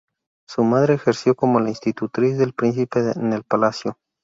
Su madre ejerció como la institutriz del príncipe en el palacio.